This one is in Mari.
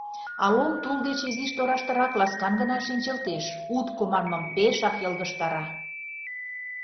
А Лом тул деч изиш тораштырак ласкан гына шинчылтеш, утко манмым пешак йылгыжтара.